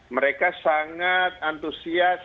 mereka sangat antusias